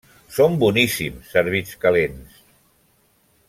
Són boníssims servits calents.